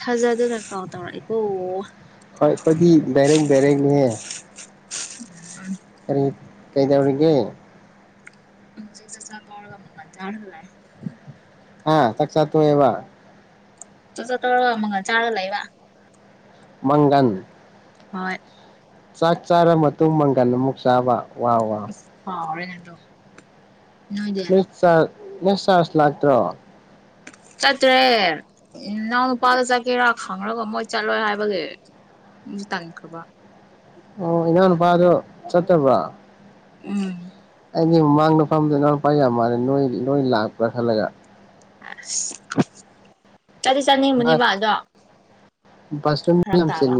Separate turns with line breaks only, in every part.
ꯊꯥꯖꯗꯅ ꯀꯥꯎ ꯇꯧꯔꯛꯏꯀꯣ
ꯑꯩꯣꯏꯗꯤ ꯕꯔꯦꯛ ꯕꯔꯦꯡꯦꯛꯅꯦ
ꯎ
ꯈꯔꯤ ꯀꯩꯗꯎꯔꯒꯦ
ꯆ ꯄꯒꯝꯕꯉ ꯆꯥꯔꯂꯦ
ꯍꯥꯥ ꯇꯁꯥꯛ ꯇ ꯑꯣꯏ
ꯇꯨꯁꯨ ꯇ ꯋꯥ ꯃꯒ ꯆꯥꯂ ꯏ ꯋꯥ
ꯃꯥꯡꯒꯟ
ꯍ
ꯆꯥꯛ ꯆꯥꯔ ꯃꯇꯨꯡ ꯃꯪꯒꯜ ꯑꯃꯨꯛ ꯆꯥꯕ ꯋꯥ ꯋꯥ
ꯍꯥꯎ ꯗꯣ
ꯆ ꯅꯁ ꯆꯥꯔꯖ ꯂꯥꯛꯇ꯭ꯔꯣ
ꯆꯠꯇ꯭ꯔꯦ ꯏꯅꯥꯎ ꯅꯨꯄꯥꯒ ꯆꯠꯀꯦꯔꯥ ꯈꯪꯔꯒ ꯃꯣꯏ ꯆꯠꯂꯣꯏ ꯍꯥꯏꯕꯒꯤꯦ ꯃꯖꯤ ꯇꯥꯅꯤꯡꯈ꯭ꯔꯕ
ꯑꯣ ꯏꯅꯥꯎ ꯅꯨꯄꯥꯗꯣ ꯆꯠꯇꯕ꯭ꯔ
ꯎꯝ
ꯑꯩꯗꯤ ꯃꯃꯥꯡꯗꯐꯝꯗ ꯏꯅꯥꯎ ꯂꯨꯄꯥ ꯌꯥꯝ ꯃꯥꯜꯂꯦ ꯅꯣꯏ ꯂꯣꯏ ꯂꯥꯛꯄ꯭ꯔꯥ ꯈꯜꯂꯒ
ꯑ ꯆꯗꯤ ꯆꯥꯅꯤꯡꯕꯅꯦꯕ ꯑꯗꯣ
ꯐꯁ
ꯐꯔꯛ ꯇꯥꯕ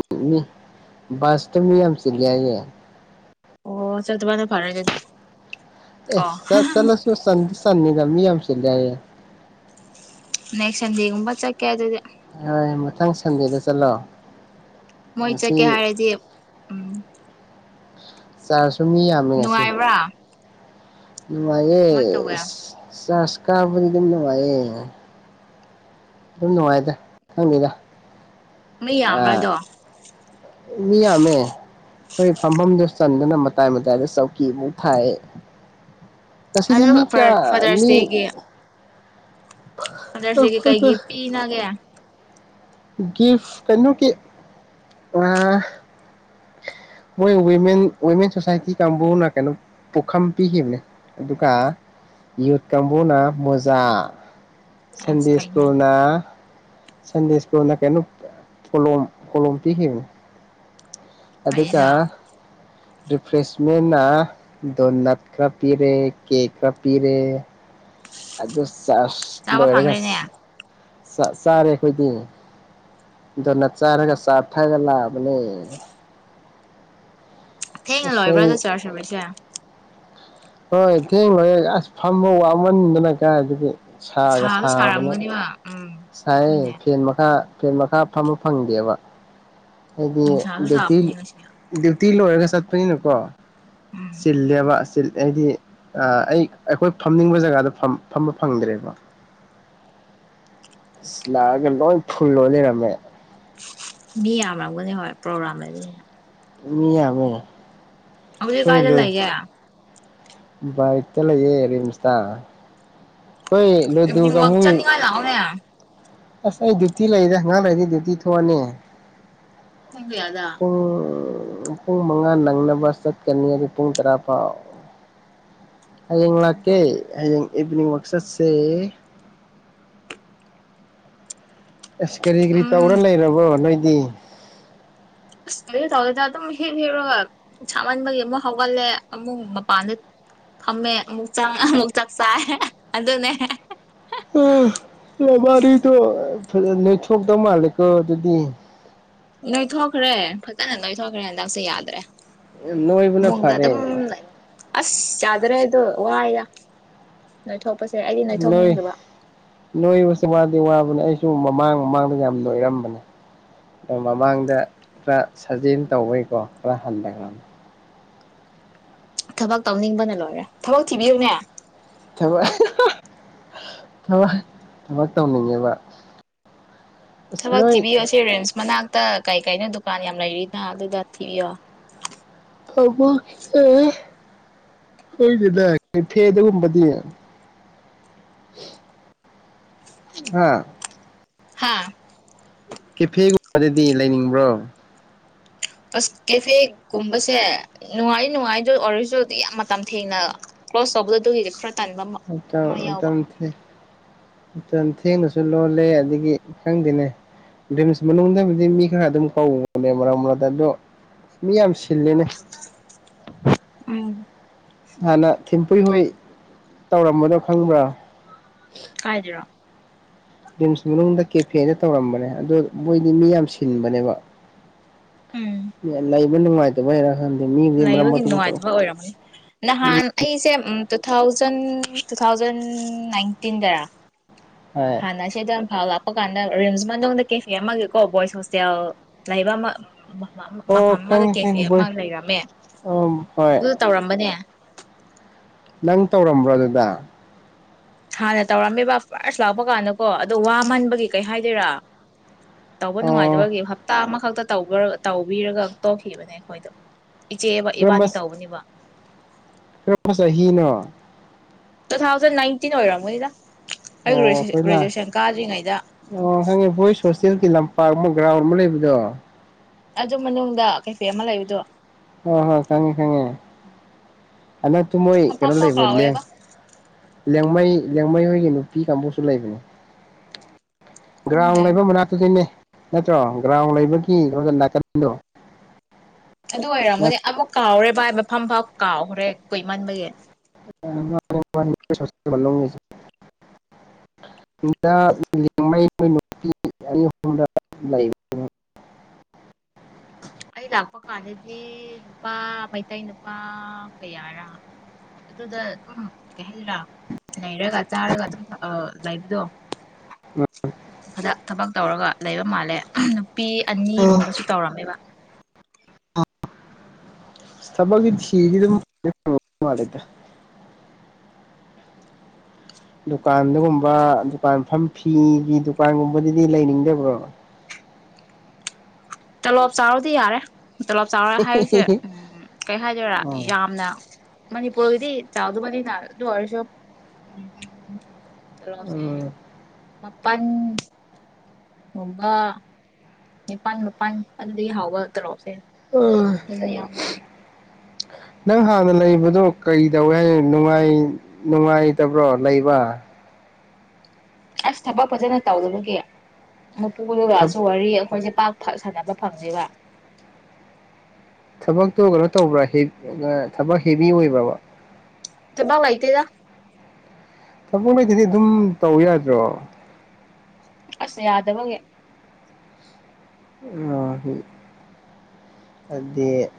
ꯕꯥꯥꯁꯇꯃꯤ ꯌꯥꯝꯁꯤꯂꯌꯦꯦ
ꯑꯣ ꯆꯠ ꯇ ꯃꯥꯅ ꯐꯔ
ꯑꯦ ꯆ ꯆꯂ ꯁ ꯁꯥꯟꯅꯤꯗꯃꯤ ꯌꯥꯝ ꯆꯂꯦ
ꯅꯦꯛꯁꯟꯖꯦꯛꯒꯨꯝꯕ ꯆꯈ ꯍꯥꯏꯗꯤ
ꯍꯣꯏ ꯃꯊꯪ ꯁꯟꯗꯦꯗ ꯆꯠꯂꯣ
ꯃꯣꯏ
ꯉꯁꯤ
ꯆꯠꯀꯦ ꯍꯥꯏꯔꯗꯤ ꯎꯝ
ꯆ ꯁꯨꯝ ꯃꯤ ꯌꯥꯝꯃꯤ ꯉꯁꯤ
ꯅꯨꯡꯉꯥꯏꯕ꯭ꯔꯥ
ꯃꯑꯦ
ꯀꯃꯥꯏꯅ ꯇꯧꯒꯦ
ꯁꯁꯀꯥꯕꯨꯔꯤꯗꯅꯚꯌꯦꯦ ꯑꯗꯨꯝ ꯅꯨꯡꯉꯥꯏꯇꯦ ꯍꯪꯉꯗ
ꯃꯤ
ꯑ
ꯌꯥꯝꯕ꯭ꯔꯥ ꯑꯗꯣ
ꯃꯤꯌꯥꯝꯃꯦ ꯍꯣꯏ ꯐꯝꯐꯝꯗꯨꯣ ꯆꯟꯗꯨꯅ ꯃꯇꯥꯏ ꯃꯇꯥꯏꯗ ꯆꯧꯀꯤ ꯃꯛ ꯊꯥꯏ
ꯑꯗꯣ
ꯀꯁꯤꯗꯤꯃꯤ ꯀꯌꯥ ꯃꯤ
ꯑꯗꯁꯒ ꯀꯥꯏꯒꯤ ꯄꯤꯅꯒ
ꯒꯤꯐ ꯀꯩꯅꯣꯒꯤ ꯃꯣꯏꯃꯦꯟ ꯋꯨꯃꯦꯟ ꯁꯣꯁꯥꯏꯇꯤ ꯀꯥꯡꯕꯨꯅ ꯀꯩꯅꯣ ꯄꯨꯈꯝ ꯄꯤꯈꯤꯕꯅꯦ ꯑꯗꯨꯒ ꯌꯨꯠ ꯀꯥꯡꯕꯨꯅ ꯃꯣꯖꯥ
ꯑꯁ
ꯁꯟꯗꯦ
ꯐꯩꯅꯦ
ꯁ꯭ꯀꯨꯜꯅꯟꯗꯦ ꯅ ꯀꯩꯅꯣ ꯐꯂꯣꯝ ꯀꯂꯣꯝ ꯄꯤꯈꯤ ꯑꯗꯨ ꯀ
ꯐꯩꯗꯣ
ꯔꯤꯐ꯭ꯔꯦꯁꯃꯦꯟꯅꯥ ꯗꯣꯅꯠ ꯈꯔ ꯄꯤꯔꯦ ꯀꯦꯛ ꯈꯔ ꯄꯤꯔꯦ ꯑꯗꯨꯗ ꯆ
ꯆꯥꯕ ꯐꯪꯈ꯭ꯔꯦꯅꯦ
ꯂꯣꯏꯔꯦꯒꯁꯤ ꯆꯥꯔꯦ ꯑꯩꯈꯣꯏꯗꯤ ꯑꯗꯨꯅ ꯆꯥꯔꯒ ꯆꯥ ꯊꯥꯏꯔ ꯂꯥꯛꯑꯕꯅꯦ
ꯊꯦꯡꯅ
ꯑꯁ ꯑꯩ
ꯂꯣꯏꯕ꯭ꯔꯥꯗ ꯆꯔꯖꯔꯁꯦ
ꯍꯣꯏ ꯊꯦꯡ ꯍ ꯍꯦ ꯑꯁ ꯐꯝꯕ ꯋꯥꯡꯃꯟꯗꯅ ꯀꯥꯏ ꯑꯗꯨꯗꯤ ꯁꯒꯦ
ꯁꯥꯁꯨ
ꯁꯕꯅꯦ
ꯁꯥꯔꯝꯒꯅꯤꯕ ꯎꯝ
ꯁꯥꯏ
ꯑꯗꯨꯅꯦ
ꯐ ꯃꯈ ꯐꯦꯠ ꯃꯈꯥ ꯐꯝꯕ ꯐꯪꯗꯦꯕ ꯍꯣ
ꯅꯨꯡꯁꯥꯁꯨ ꯁꯥꯕꯅꯦ ꯉꯁꯤ
ꯇꯤꯂꯣ ꯍꯔꯒ ꯁꯥꯠꯄꯅ ꯀꯣ
ꯎꯝ
ꯁꯤꯜꯂꯦꯋꯥꯁ ꯑꯩꯗꯤ ꯑꯩ ꯑꯩꯈꯣꯏ ꯐꯝꯅꯤꯡꯕ ꯖꯒꯥꯗ ꯐꯝꯕ ꯐꯪꯗ꯭ꯔꯦꯕ ꯑ ꯂꯥꯛꯑꯒ ꯂꯣꯏ ꯐꯨꯜꯂꯣ ꯂꯩꯔꯝꯃꯦ
ꯃꯤ ꯌꯥꯝꯔꯝꯒꯅꯤ ꯍꯣꯏ ꯄ꯭ꯔꯣꯒ꯭ꯔꯥꯝ ꯂꯩꯕꯅꯤꯅ
ꯃꯤ ꯌꯥꯕ
ꯍꯧꯖꯤ ꯀꯥꯏ ꯂꯌꯦ
ꯥꯏꯠꯇꯂꯌꯦꯦ ꯔꯔꯤꯝꯁꯇꯥ
ꯏꯚꯅꯤꯡ ꯋꯥꯋꯥꯛ ꯆꯅꯤꯡꯉ ꯂꯥꯎꯅ
ꯑꯁ ꯑꯩ ꯗ꯭ꯌꯨꯇꯤ ꯂꯩꯗꯦ ꯑꯪꯒꯥꯥꯡ ꯂꯩꯔꯤꯗꯤꯦ ꯗ꯭ꯌꯨꯇꯤ ꯊꯣꯛꯑꯅꯤ
ꯄꯨꯡ ꯀꯌꯥꯗ
ꯑ ꯄꯨꯡ ꯃꯉꯥ ꯅꯪꯅꯕ ꯆꯠꯀꯅꯤ ꯑꯗꯨ ꯄꯨꯡ ꯇꯔꯥ ꯐꯥꯎ ꯑꯀꯦ ꯏꯗꯤꯅꯤꯡ ꯃꯛꯁꯠꯁꯦ ꯑꯁ ꯀꯔꯤ ꯀꯔꯤ
ꯎꯝ
ꯇꯧꯔ ꯂꯩꯔꯕꯣ ꯅꯣꯏ [unintelligible]
ꯀꯩꯁꯨ ꯇꯧꯗꯦꯗ ꯑꯗꯨꯝ ꯍꯤꯞ ꯍꯤꯞꯕꯒ ꯁꯥꯃꯟꯕꯒꯤ ꯑꯃꯨꯛ ꯍꯧꯒꯠꯂꯦ ꯑꯃꯨꯛ ꯃꯄꯥꯟꯗ ꯐꯝꯃꯦ ꯑꯃꯨꯛ ꯆꯪꯉ ꯑꯃꯨꯛ ꯆꯥꯛ ꯆꯥꯏ ꯑꯗꯨꯅꯦ꯫
ꯑ ꯅꯕꯥꯅꯤꯗꯣ ꯐꯖ ꯅꯣꯏꯊꯣꯛꯇ ꯃꯥꯂꯦꯀꯣ ꯑꯗꯨꯗꯤ꯫
ꯅꯣꯏꯊꯣꯛꯈ꯭ꯔꯦ ꯐꯖꯅ ꯅꯣꯏꯊꯣꯛꯈ꯭ꯔꯦ ꯍꯟꯗꯛꯁꯦ ꯌꯥꯗ꯭ꯔꯦ꯫
ꯅꯣꯏꯕꯅ
ꯐꯃꯨꯡꯗ
ꯐꯔꯦ꯫
ꯑꯗꯨꯝ ꯂꯩꯕ ꯑꯁ ꯌꯥꯥꯗ꯭ꯔꯦꯗꯣ ꯋꯥꯏꯗ ꯅꯣꯏꯊꯣꯛ
ꯅꯣꯏ ꯅꯣꯏꯕꯁꯤ ꯋꯥꯗꯤ ꯋꯥ ꯑꯗꯨꯅꯦ ꯑꯩꯖꯨ ꯃꯃꯥꯡ ꯃꯃꯥꯡꯗ ꯌꯥꯝ ꯅꯣꯏꯔꯝꯕꯅꯦ ꯃꯃꯥꯡꯗ ꯈꯔ ꯁꯥꯖꯦꯟ ꯇꯧꯕꯩꯀꯣ ꯈꯔ ꯍꯟꯗꯔꯝꯃꯦ꯫
ꯊꯕꯛ ꯇꯧꯅꯤꯡꯕꯅ ꯂꯣꯏꯔꯦ ꯊꯕꯛ ꯊꯤꯕꯤꯌꯨꯅꯦ꯫
ꯊꯕꯛ ꯊꯕꯛ ꯊꯕꯛ ꯇꯧꯅꯤꯡꯉꯦꯕ꯫ ꯑꯁ
ꯊꯕꯛ
ꯅꯣꯏ
ꯇꯤꯕꯤꯑꯣ ꯑꯁꯤ ꯔꯤꯝꯁ ꯃꯅꯥꯛ ꯇ ꯀꯩ ꯀꯩꯅꯣ ꯗꯨꯀꯥꯟ ꯌꯥꯝ ꯂꯩꯔꯤꯅ ꯑꯗꯨꯗ ꯊꯤꯕꯤꯌꯣ꯫
ꯊꯕꯛ ꯁꯦ ꯈꯪꯗꯦꯅꯦ ꯀꯦꯐꯦꯗꯒꯨꯝꯕꯗꯤ ꯑꯥ
ꯍꯥꯥ꯫
ꯀꯦꯐꯦꯒꯨꯝꯕꯗꯗꯤ ꯂꯩꯅꯤꯡꯕ꯭ꯔꯣ꯫
ꯑꯁ ꯀꯦꯐꯦꯒꯨꯝꯕꯁꯦ ꯅꯨꯡꯉꯥꯏ ꯅꯨꯡꯉꯥꯏꯗꯣꯏ ꯑꯣꯏꯔꯖꯨ ꯌꯥꯝ ꯃꯇꯝ ꯊꯦꯡꯅ ꯀ꯭ꯂꯣꯖ ꯇꯧꯕꯗꯣ ꯑꯗꯨꯒꯤꯗꯤ ꯈꯔ ꯇꯟꯕ
[unintelligible]
ꯑꯃ ꯌꯥꯎꯕ
ꯃꯇꯝ ꯊꯦꯡꯅꯁꯨ ꯂꯣꯜꯂꯦ ꯑꯗꯨꯗꯒꯤ ꯈꯪꯗꯦꯅꯦ ꯔꯤꯝꯁ ꯃꯅꯨꯡꯗꯕꯨꯗꯤ ꯃꯤ ꯈꯔ ꯑꯗꯨꯝ ꯀꯧꯕꯅꯦ ꯃꯔꯛ ꯃꯔꯛꯇ ꯑꯗꯣ ꯃꯤ ꯌꯥꯝ ꯁꯤ ꯁꯤꯜꯂꯤꯅꯦ꯫
ꯎꯝ꯫
ꯍꯥꯟꯅ ꯊꯤꯝ ꯍꯨꯏ ꯍꯣꯏ ꯇꯧꯔꯝꯕꯗꯣ ꯈꯪꯕ꯭ꯔꯥ꯫
ꯀꯥꯏꯗꯔꯣ꯫
ꯔꯤꯝꯁ ꯃꯅꯨꯡꯗ ꯀꯦꯐꯦꯗ ꯇꯧꯔꯝꯕꯅꯦ ꯑꯗꯣ ꯃꯣꯏꯗꯤ ꯃꯤ ꯌꯥꯝ ꯁꯤꯟꯕꯅꯦꯕ꯫
ꯎꯝ
[unintelligible] ꯃꯣꯏ ꯅꯨꯉꯥꯏꯇꯕꯩꯔ ꯈꯡꯗꯦ
ꯂꯩꯕꯒꯤ ꯅꯨꯡꯉꯥꯏꯇꯕ ꯑꯣꯏꯔꯝꯃꯅꯤ
ꯃꯤ
ꯅꯍꯥꯟ ꯑꯩꯁꯦ ꯎꯝ ꯇꯨ ꯊꯥꯎꯖꯟ ꯇꯨ ꯊꯥꯎꯖꯟ ꯅꯥꯏꯟꯇꯤꯟꯗꯔ
ꯍꯥꯏ
ꯍꯥꯟꯅ ꯁꯤꯗ ꯏꯝꯐꯥꯜ ꯂꯥꯛꯄ ꯀꯥꯟꯗ ꯔꯤꯝꯁ ꯃꯅꯨꯡꯗ ꯀꯦꯐꯦ ꯑꯃꯒꯤꯀꯣ ꯕꯣꯏꯁ ꯍꯣꯁꯇꯦꯜ ꯂꯩꯕ ꯑꯃ ꯃ
ꯑꯣ
ꯃꯐꯝ ꯑꯃꯗ
ꯈꯪꯉꯦ
ꯀꯦꯐꯦ
ꯈꯪꯉꯦ
ꯑꯃ
ꯕꯣꯏ
ꯂꯩꯔꯝꯃꯦ
ꯑꯣ ꯍꯣꯏ
ꯑꯗꯨ ꯇꯧꯔꯝꯕꯅꯦ꯫
ꯅꯪ ꯇꯧꯔꯝꯕ꯭ꯔꯣ ꯑꯗꯨꯗ꯫
ꯍꯥꯟꯅ ꯇꯧꯔꯝꯃꯦꯕ ꯐꯥꯔꯁ ꯂꯥꯛꯄ ꯀꯥꯟꯗꯀꯣ ꯑꯗꯣ ꯋꯥꯃꯟꯕꯒꯤ ꯀꯩ ꯍꯥꯏꯗꯣꯏꯔꯥ ꯇꯧꯕ
ꯑꯣ
ꯅꯨꯡꯉꯥꯏꯇꯕꯒꯤ ꯍꯞꯇꯥ ꯑꯃꯥ ꯈꯛꯇꯇꯧꯒꯔ ꯇꯧꯕꯤꯔꯒ ꯇꯣꯛꯈꯤꯕꯅꯦ ꯑꯩꯈꯣꯏꯗꯣ꯫ ꯏꯆꯦ
ꯀꯔꯝꯕ
ꯏꯕꯥꯅꯤ ꯇꯧꯕꯅꯦꯕ꯫
ꯀꯔꯝꯕ ꯆꯍꯤꯅꯣ꯫
ꯇꯨ ꯊꯥꯎꯖꯟ ꯅꯥꯏꯟꯇꯤꯟ ꯑꯣꯏꯔꯝꯒꯅꯤꯗ ꯑꯩ
ꯑꯣ ꯑꯈꯣꯏꯅ
ꯒ꯭ꯔꯦꯖꯨꯑꯦꯁꯟ ꯀꯥꯗ꯭ꯔꯤꯉꯩꯗ
ꯑꯣ ꯈꯪꯉꯦ ꯕꯣꯏꯁ ꯍꯣꯁꯇꯦꯜꯒꯤ ꯂꯝ ꯄꯥꯛꯄ ꯒ꯭ꯔꯥꯎꯟ ꯑꯃ ꯂꯩꯕꯗꯣ
ꯑꯗꯨ ꯃꯅꯨꯡꯗ ꯀꯦꯐꯦ ꯑꯃ ꯂꯩꯕꯗꯣ
ꯑ ꯍ ꯈꯪꯉꯦ ꯈꯪꯉꯦ ꯍꯟꯗꯛ ꯇꯨ ꯃꯣꯏ ꯀꯩꯅꯣ
ꯃꯐꯝꯐꯥꯎ
ꯂꯩꯕ ꯂꯦꯡ
ꯀꯥꯎꯔꯦꯕ
ꯂꯦꯡꯃꯥꯏ ꯂꯦꯡꯃꯩ ꯍꯣꯏꯒꯤ ꯅꯨꯄꯤ ꯀꯥꯡꯕꯨꯁꯨ ꯂꯩꯕꯅꯦ
ꯈꯪꯗꯦ
ꯒ꯭ꯔꯥꯎꯟꯗꯒ ꯃꯅꯥꯛꯇꯗꯩꯅꯦ ꯅꯠꯇ꯭ꯔꯣ ꯒ꯭ꯔꯥꯎ ꯂꯩꯕꯒꯤ ꯅꯥꯀꯟꯗꯣ
ꯑꯗꯨ ꯑꯣꯏꯔꯝꯒꯅꯤ ꯑꯃꯨꯛ ꯀꯥꯎꯔꯦ ꯚꯥꯏꯕ ꯐꯝ ꯐ ꯀꯥꯎꯒ꯭ꯔꯦ ꯀꯨꯏꯃꯟꯕꯒꯤ
ꯑꯟꯏꯟꯇꯦꯜꯂꯤꯖꯦꯕꯜ
ꯑꯩ ꯂꯥꯛꯄ ꯀꯥꯟꯗꯗꯤ ꯅꯨꯄꯥ ꯃꯩꯇꯩ ꯅꯨꯄꯥ ꯀꯌꯥꯔꯥ ꯑꯗꯨꯗ ꯑꯗꯨꯝ ꯀꯩ ꯍꯥꯏꯗꯔꯥ ꯂꯩꯔꯒ ꯆꯥꯔꯒ ꯑꯗꯨꯝ ꯊꯑ ꯂꯩꯕꯗꯣ ꯑꯗ ꯊꯕꯛ ꯇꯧꯔꯒ ꯂꯩꯕ ꯃꯥꯜꯂꯦ ꯄꯤ ꯑꯅꯤꯒꯨꯝꯕꯁꯨ ꯇꯧꯔꯝꯃꯦꯕ
ꯐꯁ ꯊꯕꯛꯇꯤ ꯊꯤꯒꯤ ꯑꯟꯏꯟꯇꯦꯜꯂꯤꯖꯦꯕꯜ ꯃꯥꯜꯂꯤꯗ ꯗꯨꯀꯥꯟꯗꯒꯨꯝꯕ ꯗꯨꯀꯥꯟ ꯐꯝ ꯐꯤꯒꯤ ꯗꯨꯀꯥꯟꯒꯨꯝꯕꯗꯗꯤ ꯂꯩꯅꯤꯡꯗꯕ꯭ꯔꯣ
ꯇꯣꯂꯣꯞ ꯆꯥꯎꯔꯗꯤ ꯌꯥꯔꯦ ꯇꯣꯂꯞ ꯆꯥꯎꯔ ꯍꯥꯏꯔꯤꯁꯦ ꯎꯝ ꯀꯩ ꯍꯥꯏꯗꯣꯏꯔꯥ
ꯎꯝ
ꯌꯥꯝꯅ ꯃꯅꯤꯄꯨꯔꯒꯤꯗꯤ ꯆꯥꯎꯗꯃꯅꯤ ꯗꯨ ꯑꯣꯏꯔꯁꯨ ꯎꯝ ꯇꯣꯂꯣꯞꯁꯦ ꯃꯥꯄꯟ ꯨꯒꯨꯝꯕ ꯅꯤꯄꯥꯜ ꯃꯥꯄꯟ ꯑꯗꯨꯗꯒꯤ ꯍꯥꯎꯕ ꯇꯧꯂꯣꯞꯁꯦ ꯌꯥꯝꯃꯤꯍꯦ
ꯅꯪ ꯍꯥꯟꯅ ꯂꯩꯕꯗꯣ ꯀꯔꯤ ꯇꯧꯌꯦ ꯍꯥꯏꯅꯣ ꯅꯨꯡꯉꯥꯏ ꯅꯨꯡꯉꯥꯏꯇꯕ꯭ꯔꯣ ꯂꯩꯕ
ꯑꯁ ꯊꯕꯛ ꯐꯖꯅ ꯇꯧꯗꯕꯒꯤ ꯃꯄꯨꯗꯨꯒꯥꯁꯨ ꯋꯥꯔꯤ ꯑꯩꯈꯣꯏꯁꯦ ꯄꯥꯛ ꯐ ꯁꯥꯟꯅꯕ ꯐꯪꯗꯦꯕ
ꯊꯕꯛꯇꯣ ꯀꯩꯅꯣ ꯇꯧꯕ꯭ꯔꯥ ꯍꯦ ꯊꯕꯛ ꯍꯦꯚꯤ ꯑꯣꯏꯕ꯭ꯔꯕ
ꯊꯕꯛ ꯂꯩꯇꯦꯗ
ꯊꯕꯛ ꯂꯩꯇꯗꯤ ꯑꯗꯨꯝ ꯇꯧ ꯌꯥꯗ꯭ꯔꯣ
ꯑꯁ ꯌꯥꯗꯕꯒꯤ
ꯑ ꯑꯗꯗꯤ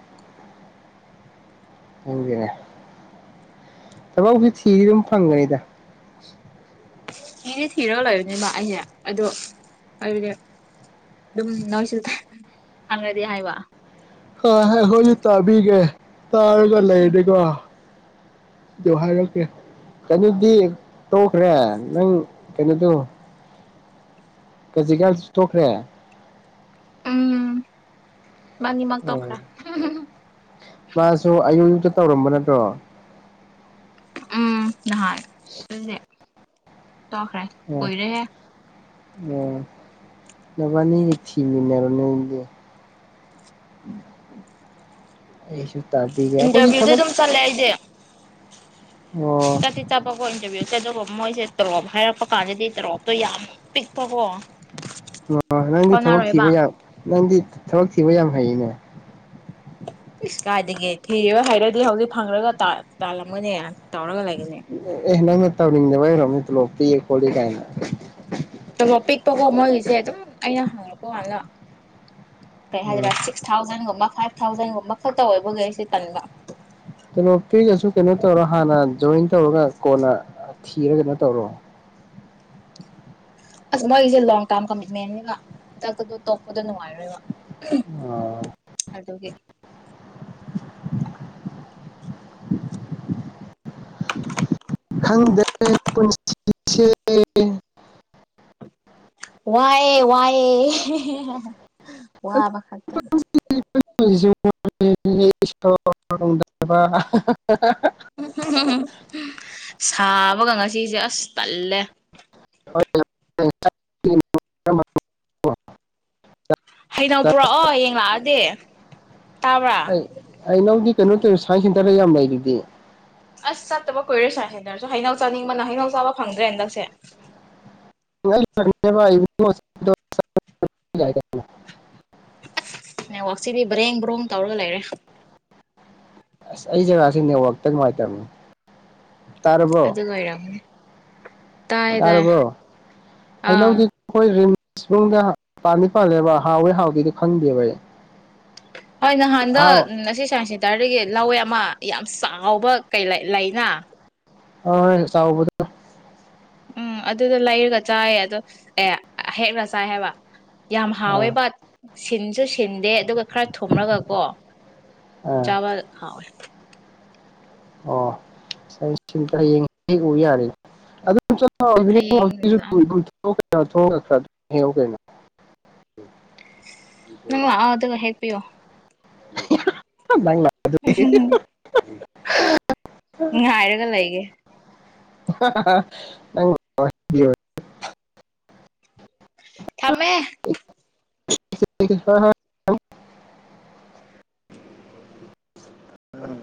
ꯄꯨꯡꯗꯤꯅꯦ ꯊꯕꯛ ꯇꯤ ꯊꯤꯗꯤ ꯑꯗꯨꯝ ꯐꯪꯒꯅꯤꯗ
ꯊꯤꯗꯤ ꯊꯤꯔꯒ ꯂꯩꯕꯅꯤꯕ ꯑꯩꯁꯦ ꯑꯗꯣ ꯍꯥꯏꯕꯗꯤ ꯑꯗꯨꯝ ꯅꯣꯏꯁꯨ ꯈꯪꯒꯗꯤ ꯍꯥꯏꯕ
ꯍꯣꯏ ꯍꯣꯏ ꯍꯣꯏ ꯑꯩꯈꯣꯏꯁꯨ ꯇꯥꯕꯤꯒꯦ ꯇꯥꯔꯒ ꯂꯩꯔꯗꯤꯀꯣ ꯑꯗꯨ ꯍꯥꯏꯔꯛꯀꯦ ꯀꯩꯅꯣꯗꯤ ꯇꯣꯛꯈ꯭ꯔꯦ ꯅꯪ ꯀꯩꯅꯣꯗꯣ ꯀꯖꯤꯛꯀꯥꯟꯁꯨ ꯇꯣꯛꯈ꯭ꯔꯦ
ꯎꯝ ꯏꯕꯥꯅꯤꯃꯛ
ꯎꯝ
ꯇꯣꯛꯈ꯭ꯔꯦ
ꯃꯥꯁꯨ ꯑꯌꯨ ꯇ ꯇꯧꯔꯝꯕ ꯅꯠꯇ꯭ꯔꯣ
ꯎꯝ ꯅꯍꯥꯟ ꯑꯗꯨꯅꯦ ꯇꯣꯛꯈ꯭ꯔꯦ ꯀꯨꯏꯔꯦꯍꯦ
ꯑꯣ ꯃꯥꯕꯅꯤ ꯊꯤꯃꯤꯅꯤꯔ [unintelligible]
ꯏꯟꯇꯔꯚꯤꯌꯨꯗꯤ ꯑꯗꯨꯝ ꯆꯠꯂꯦ ꯑꯩꯗꯤ꯫
ꯑꯣ
ꯆꯠꯇꯤ ꯆꯠꯄ ꯀꯣ ꯏꯟꯇꯔꯚꯤꯌꯨꯖꯦ ꯑꯗꯨꯕꯨ ꯃꯣꯏꯖꯦ ꯇꯣꯔꯣꯞ ꯍꯥꯏꯔꯛꯄ ꯀꯥꯟꯗꯗꯤ ꯇꯣꯔꯣꯞꯇꯣ ꯌꯥꯝ ꯄꯤꯛꯄꯀꯣ꯫
[unintelligible] ꯅꯪꯗꯤ ꯊꯕꯛ
ꯀꯣꯟꯅꯔꯣꯏꯕ
ꯊꯤꯕ ꯌꯥꯝ ꯅꯪꯗꯤ ꯊꯕꯛ ꯊꯤꯕ ꯌꯥꯝ ꯍꯩꯅꯦ꯫
ꯏꯁ ꯀꯥꯏꯗꯒꯤ ꯊꯤ ꯍꯥꯏꯔꯗꯤ ꯍꯧꯖꯤꯛ ꯐꯪꯈ꯭ꯔꯒ ꯇꯥ ꯇꯥꯜꯂꯝꯃꯅꯤ ꯇꯧꯔꯒ ꯂꯩ
ꯑꯦ ꯅꯣꯅ ꯇꯧꯅꯤꯡꯗꯕꯩ ꯑꯣꯏꯔꯝꯅꯤ ꯇꯣꯂꯣꯞ ꯄꯤ ꯈꯣꯠꯂꯤ ꯀꯥꯏꯅ꯫
ꯇꯣꯂꯣꯞ ꯄꯤꯛꯄꯀꯣ ꯃꯣꯏꯒꯤꯁꯦ ꯑꯗꯨꯝ [unintelligible] ꯀꯩ
ꯑ
ꯍꯥꯏꯒꯗꯔꯥ ꯁꯤꯛꯁ ꯊꯥꯎꯖꯟꯒꯨꯝꯕ ꯐꯥꯏꯞ ꯊꯥꯎꯖꯟꯒꯨꯝꯕ ꯈꯛꯇ ꯑꯣꯏꯕꯒꯤ ꯑꯩꯁꯤ ꯇꯟꯕ꯫
ꯇꯣꯂꯣꯞ ꯄꯤꯔꯒꯁꯨ ꯀꯩꯅꯣ ꯇꯧꯔꯣ ꯍꯥꯟꯅ ꯖꯣꯏꯟ ꯇꯧꯔꯒ ꯀꯣꯟꯅ ꯊꯤꯔꯒ [unintelligible] ꯇꯧꯔꯣ꯫
ꯑꯁ ꯃꯣꯏꯒꯤꯁꯦ ꯂꯣꯡ ꯇꯥꯝ ꯀꯃꯤꯠꯃꯦꯟꯅꯤꯅ ꯈꯨꯗꯛꯇꯗꯨ ꯇꯣꯛꯄꯗꯣ ꯅꯨꯡꯉꯥꯏꯔꯣꯏꯕ꯫ ꯑꯗꯨꯒꯤ
[unintelligible] [unintelligible] [unintelligible]
ꯋꯥꯑꯦ ꯋꯥꯑꯦ [unintelligible] ꯋꯥꯕ ꯈꯛꯇ
[unintelligible]
[unintelligible] ꯁꯥꯕꯒ ꯉꯁꯤꯁꯦ ꯑꯁ ꯇꯜꯂꯦ꯫
[unintelligible]
ꯍꯩꯅꯧ ꯄꯨꯔꯛꯑꯣ ꯍꯌꯦꯡ ꯂꯥꯛꯑꯗꯤ ꯇꯥꯕ꯭ꯔꯥ꯫
ꯑꯩ ꯍꯩꯅꯧꯗꯤ ꯀꯩꯅꯣ ꯇꯧ ꯁꯥꯢꯟ ꯁꯦꯟꯇꯔꯗ ꯌꯥꯝ ꯂꯩꯗꯨꯗꯤ꯫
ꯑꯁ ꯆꯠꯇꯕ ꯀꯨꯏꯔꯦ ꯁꯥꯏ ꯁꯦꯟꯇꯔꯁꯨ ꯍꯩꯅꯧ ꯆꯥꯅꯤꯡꯕꯅ ꯍꯩꯅꯧ ꯆꯥꯕ ꯐꯪꯗ꯭ꯔꯦ ꯍꯟꯗꯛꯁꯦ꯫
[unintelligible]
ꯅꯦꯠꯋꯥꯛꯁꯤꯗꯤ ꯕ꯭ꯔꯦꯡ ꯕ꯭ꯔꯣꯛ ꯇꯧꯔꯒ ꯂꯩꯔꯦ꯫
ꯑꯁ ꯑꯩ ꯖꯒꯥꯁꯤ ꯅꯦꯠꯋꯥꯛꯇ ꯅꯨꯡꯉꯥꯏꯇꯃꯤ꯫
ꯑꯗꯨ ꯑꯣꯢꯔꯝꯅꯤ꯫
ꯇꯥꯔꯕꯣ
ꯑꯥ
ꯍꯩꯅꯧꯗꯤ ꯈꯣꯏ ꯌꯨꯝꯗ ꯄꯥꯟꯗꯤ ꯄꯥꯜꯂꯦꯕ ꯍꯥꯎꯋꯦ ꯍꯥꯎꯗ꯭ꯔꯤꯔꯥ ꯈꯪꯗꯦꯕ ꯑꯩ꯫
ꯍꯣꯏ ꯅꯍꯥꯟꯗꯣ
ꯑꯍꯥꯎ
ꯉꯁꯤ ꯁꯥꯏꯟꯁ ꯁꯦꯟꯇꯔꯗꯒꯤ ꯂꯧꯋꯦ ꯑꯃ ꯌꯥꯝ ꯆꯥꯎꯕ ꯀꯩ ꯂꯩ ꯂꯩꯅ
ꯑ ꯍꯣꯏꯅꯦ ꯆꯥꯎꯕ [unintelligible]
ꯎꯝ ꯑꯗꯨꯗ ꯂꯩꯔꯒ ꯆꯥꯏꯌꯦ ꯑꯗꯣ ꯑꯦ ꯍꯦꯛꯂ ꯆꯥꯏ ꯍꯥꯏꯕ꯫ ꯌꯥꯝ ꯍꯥꯎꯋꯦ
ꯑꯥ
ꯕꯠ ꯁꯤꯟ ꯁꯨ ꯁꯤꯟꯗꯦ ꯑꯗꯨꯒ ꯈꯔ ꯊꯣꯂꯒ ꯀꯣ
ꯑꯥ
ꯆꯥꯕ ꯈꯋꯣꯏ
ꯑꯣ ꯁꯤꯇ ꯌꯦꯡ ꯍꯦꯛ ꯎ ꯌꯥꯔ
ꯍꯌꯦꯡ ꯂꯥꯛꯑꯣ
[unintelligible] ꯊꯣꯡ꯭ꯔ ꯍꯦꯡꯉꯧ ꯀꯩꯅꯣ
ꯎꯪ ꯑꯗꯨ ꯍꯦꯄꯤꯤꯌꯣ
ꯂꯥ
ꯎꯝ ꯍꯥꯏꯔꯒ ꯂꯩꯒꯦ
[unintelligible]
ꯊꯃꯦ
[unintelligible]